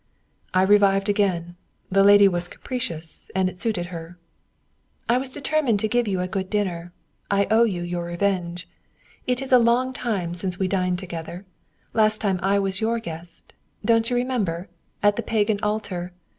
I revived again. The lady was capricious, and it suited her. "I was determined to give you a good dinner. I owe you your revenge. It is a long time since we dined together. Last time I was your guest. Don't you remember? At the Pagan Altar.